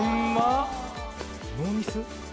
ノーミス？